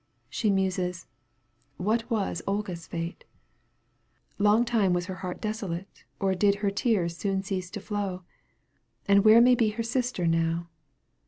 She muses :" What was Olga's fate ? Longtime was her heart desolate Or did her tears soon cease to flow ? And where may be her sister now